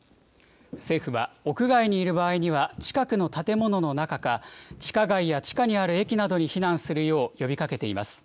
政府は屋外にいる場合には、近くの建物の中か、地下街や地下にある駅などに避難するよう呼びかけています。